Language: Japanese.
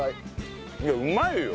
いやうまいよ。